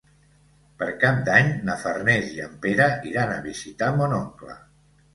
Per Cap d'Any na Farners i en Pere iran a visitar mon oncle.